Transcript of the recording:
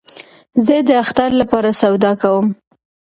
زه د اختر له پاره سودا کوم